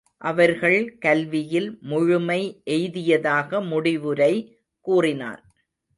அவர்கள் கல்வியில் முழுமை எய்தியதாக முடிவுரை கூறினான்.